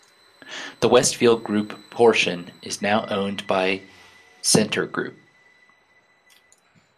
The Westfield Group portion is now owned by Scentre Group.